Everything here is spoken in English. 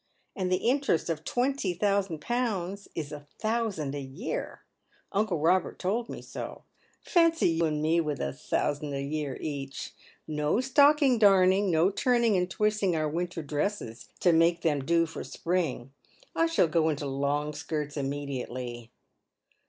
And the interest of twenty thousand pounds is a thousand a year. Uncle Robert told me so. Fancy you and me with a thousand a year each ! No stocking darning, no turning and twisting our winter dxesses to make them do for spring. I shall go into long skirts immediately.